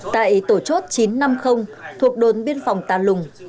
tại tổ chốt chín trăm năm mươi thuộc đồn biên phòng tà lùng